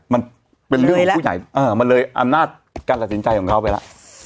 มันเป็นเรื่องของผู้ใหญ่มันเลยอำนาจการตัดสินใจของเขาไปแล้ว